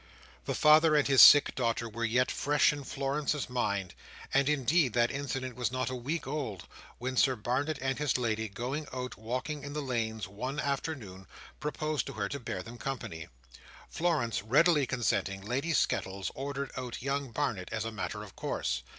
The father and his sick daughter were yet fresh in Florence's mind, and, indeed, that incident was not a week old, when Sir Barnet and his lady going out walking in the lanes one afternoon, proposed to her to bear them company. Florence readily consenting, Lady Skettles ordered out young Barnet as a matter of course.